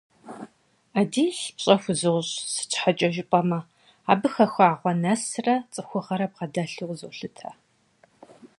Адил пщӀэ хузощӀ, сыт щхьэкӀэ жыпӀэмэ, абы хахуагъэ нэсрэ, цӏыхугъэрэ бгъэдэлъу къызолъытэ.